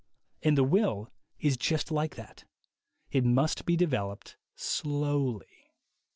And the will is just like that. It must be developed slowly.